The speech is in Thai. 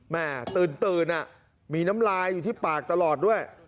แม่ตื่นมีน้ำลายอยู่ที่ปากตลอดด้วย